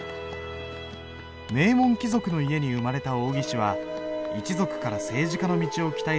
名門貴族の家に生まれた王羲之は一族から政治家の道を期待される。